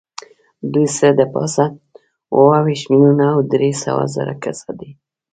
دوی څه د پاسه اووه ویشت میلیونه او درې سوه زره کسه دي.